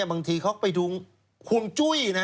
บางทีเขาไปดูห่วงจุ้ยนะ